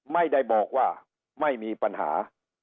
ไม่ได้บอกว่าไม่มีปัญหา